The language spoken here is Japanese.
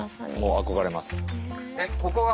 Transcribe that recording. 憧れます。